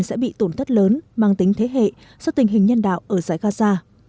sẽ bị tổn thất lớn mang tính thế hệ do tình hình nhân đạo ở giải gaza